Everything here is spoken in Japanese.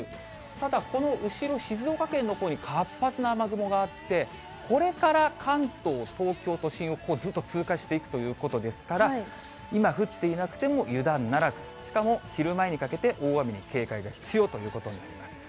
ただ、この後ろ、静岡県のほうに活発な雨雲があって、これから関東、東京都心をずっと通過していくということですから、今降っていなくても、油断ならず、しかも昼前にかけて大雨に警戒が必要ということになります。